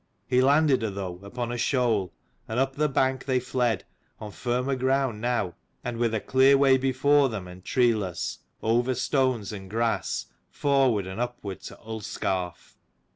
He landed her, though, upon a shoal, and up the bank they fled, on firmer ground now, and with a clear way before them and treeless, over stones and grass, forward and upward to Ullscarf.